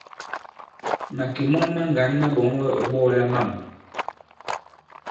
Màkè mɔŋ maŋgǎn ma ɓɔ̌ŋ wɛ ɔ̌ ɓɔ̄ɔla mâm.